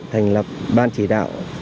thành lập ban chỉ đạo